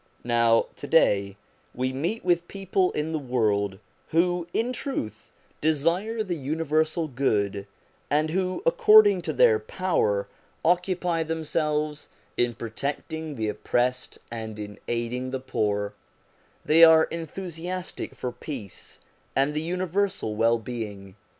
Now, to day, we meet with people in the world who, in truth, desire the universal good, and who according to their power occupy themselves hi protecting the oppressed and in aiding the poor : they are enthusiastic for peace and the universal wellbeing.